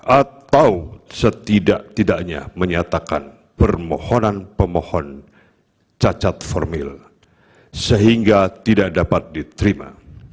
atau setidak tidaknya menyatakan permohonan pemohon cacat formil sehingga tidak dapat diterima